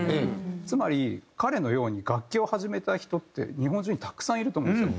つまり彼のように楽器を始めた人って日本中にたくさんいると思うんですよ。